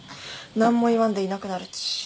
何も言わんでいなくなるち。